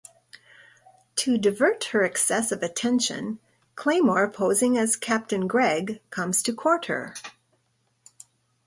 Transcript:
To divert her excessive attention, Claymore, posing as Captain Gregg, comes to court her.